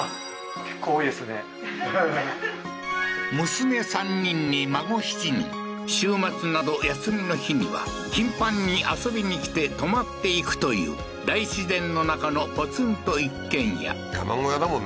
娘３人に孫７人、週末など休みの日には頻繁に遊びに来て泊まっていくという、大自然の中のポツンと一軒家。